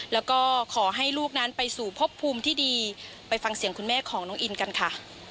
แล้วก็ขอให้ลูกนั้นไปสู่พบภูมิที่ดีไปฟังเสียงคุณแม่ของน้องอินกันค่ะ